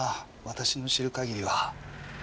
私の知る限りは。